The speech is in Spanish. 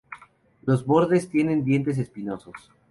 Los bordes tienen dientes espinosos.